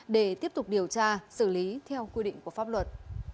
để tiếp tục điều tra xử lý theo quy định của pháp luật